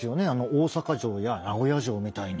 大坂城や名古屋城みたいに。